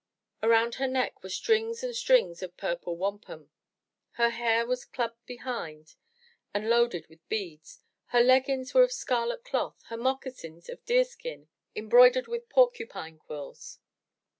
Around her neck were strings and strings of purple wampum. Her hair was clubbed behind and loaded with beads, her leggins were of scarlet cloth, her moccasins of deer skin embroidered with porcupine quills.